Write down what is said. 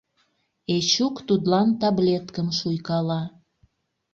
Эчук тудлан таблеткым шуйкала.